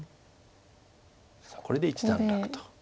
さあこれで一段落と。